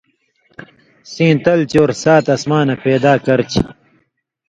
سیں تل چور سات اسمانہ پَیدا کرچھی؛